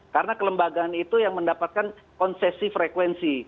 karena kelembagaan itu yang mendapatkan konsesi frekuensi